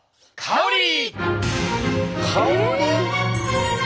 香り？